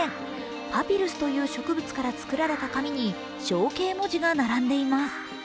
パピルスという植物から作られた紙に象形文字が並んでいます。